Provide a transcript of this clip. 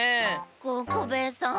ココベエさん